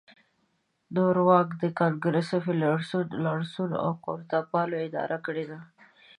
نور واک د ګانګرس فیوډالانو، لارډانو او قدرتپالو اداره کړی دی.